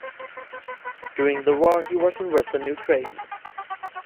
During the war he was in Western Ukraine.